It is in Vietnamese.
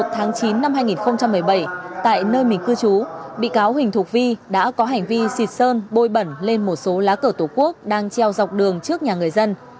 tháng chín năm hai nghìn một mươi bảy tại nơi mình cư trú bị cáo huỳnh thuộc vi đã có hành vi xịt sơn bôi bẩn lên một số lá cờ tổ quốc đang treo dọc đường trước nhà người dân